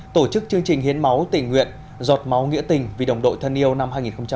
tổ chức chương trình hiến máu tình nguyện giọt máu nghĩa tình vì đồng đội thân yêu năm hai nghìn hai mươi